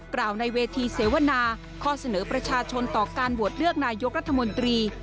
ในเวทีเสวนาข้อเสนอประชาชนต่อการโหวตเลือกนายกรัฐมนตรี